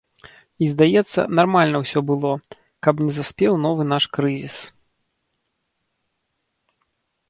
І, здаецца, нармальна ўсё было, каб не заспеў новы наш крызіс.